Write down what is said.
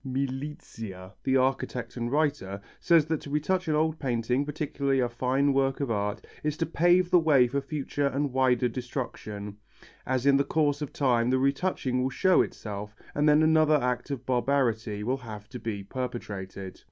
Milizia, the architect and writer, says that to retouch an old painting, particularly a fine work of art, is to pave the way for future and wider destruction, as in the course of time the retouching will show itself and then another act of barbarity will have to be perpetrated.